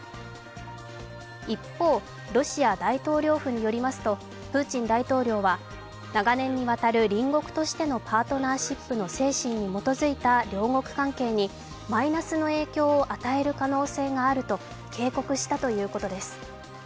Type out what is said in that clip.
一方、ロシア大統領府によりますとプーチン大統領は長年にわたる隣国としてのパートナーシップの精神に基づいた両国関係にマイナスの影響を与える可能性があると警告したということです。